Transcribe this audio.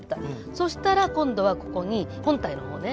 そしたら今度はここに本体の方ね。